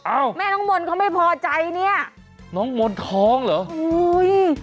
แม่น้องมนต์เขาไม่พอใจเนี่ยน้องมนต์ท้องเหรออุ้ย